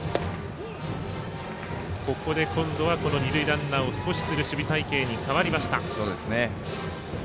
今度は二塁ランナーを阻止する守備隊形に変わりました。